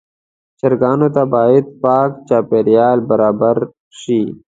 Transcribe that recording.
چرګانو ته باید پاک چاپېریال برابر شي.